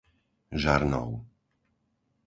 Žarnov